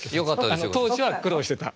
当時は苦労してた。